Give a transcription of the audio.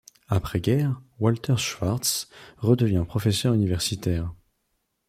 Après guerre, Walter Schwarz redevient professeur universitaire.